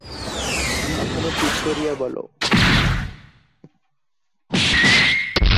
এখনো ঠিক করিয়া বলো।